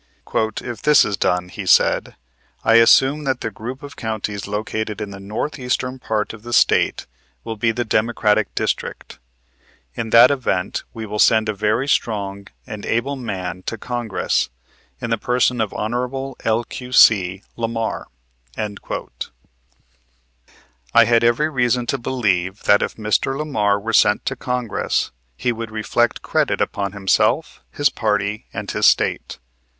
"If this is done," he said, "I assume that the group of counties located in the northeastern part of the State will be the Democratic district. In that event we will send a very strong and able man to Congress in the person of Hon. L.Q.C. Lamar." I had every reason to believe that if Mr. Lamar were sent to Congress he would reflect credit upon himself, his party, and his State.